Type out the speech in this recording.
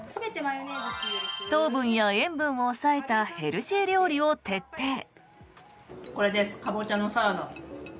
糖分や塩分を抑えたヘルシー料理を徹底。